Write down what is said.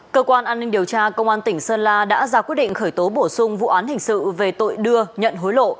cơ quan an ninh điều tra công an tỉnh sơn la đã ra quyết định khởi tố bổ sung vụ án hình sự về tội đưa nhận hối lộ